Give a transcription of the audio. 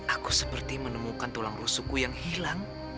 aku seperti menemukan tulang rusuku yang hilang